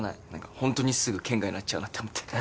ほんとにすぐ圏外になっちゃうなって思って。